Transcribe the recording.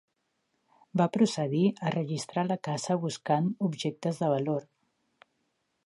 Va procedir a registrar la casa buscant objectes de valor.